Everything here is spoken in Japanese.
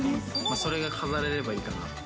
それが飾れればいいかなと。